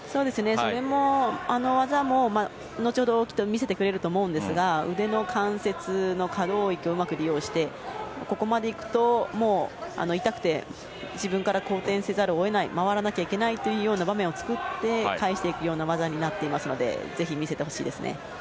その技も後ほど見せてくれると思いますが腕の関節の可動域をうまく利用してここまで行くともう痛くて自分から後転せざるを得ない回らなきゃいけない場面を作って返していく技になっていますのでぜひ見せてほしいですね。